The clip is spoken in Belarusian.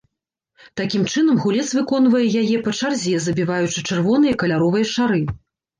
Такім чынам, гулец выконвае яе па чарзе забіваючы чырвоныя і каляровыя шары.